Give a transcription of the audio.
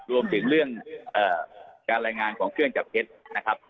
รวมถึงเรื่องการรายงานของเครื่องจับเท็จนะครับ